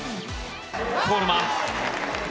コールマン。